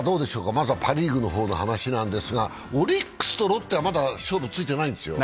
まずはパ・リーグの方の話ですが、オリックスとロッテはまだ勝負はついてないんですよね。